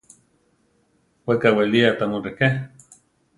We kawélia ta mu réke.